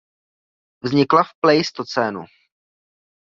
Vznikla v pleistocénu.